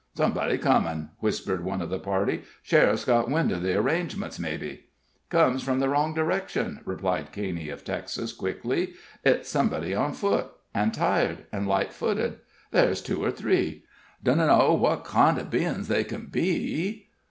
"Somebody's comin'!" whispered one of the party. "Sheriff's got wind of the arrangements, maybe!" "Comes from the wrong direction," cried Caney, of Texas, quickly. "It's somebody on foot an' tired an' light footed ther's two or three dunno what kind o' bein's they ken be.